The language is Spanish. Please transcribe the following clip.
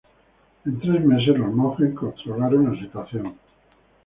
En tres meses los monjes controlaron la situación.